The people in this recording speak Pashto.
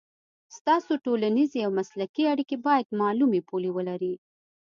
ستاسو ټولنیزې او مسلکي اړیکې باید معلومې پولې ولري.